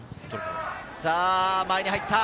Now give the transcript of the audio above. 前に入った。